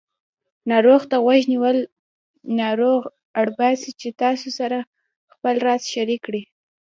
ناروغ ته غوږ نیول ناروغ اړباسي چې تاسې سره خپل راز شریک کړي